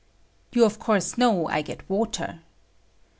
You, of course, know I get water.